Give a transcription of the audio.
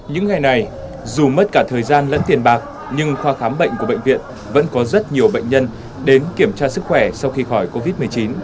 những ngày này dù mất cả thời gian lẫn tiền bạc nhưng khoa khám bệnh của bệnh viện vẫn có rất nhiều bệnh nhân đến kiểm tra sức khỏe sau khi khỏi covid một mươi chín